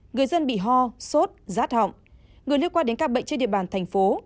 người dân bị ho sốt rát họng người liên quan đến các bệnh trên địa bàn thành phố